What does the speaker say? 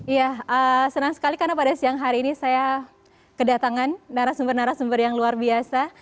ya senang sekali karena pada siang hari ini saya kedatangan narasumber narasumber yang luar biasa